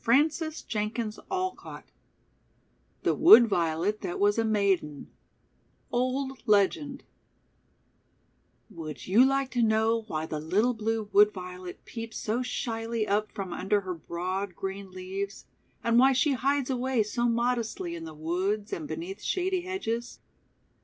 CANFIELD (adapted) THE WOOD VIOLET 127 THE WOOD VIOLET THAT WAS A MAIDEN Old Legend WOULD you like to know why the little blue Wood Violet peeps so shyly up from under her broad green leaves, and why she hides away so modestly in the woods and beneath shady hedges?